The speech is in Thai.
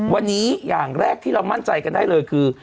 วันนี้อย่างแรกที่เรามั่นใจกันได้เลยคือ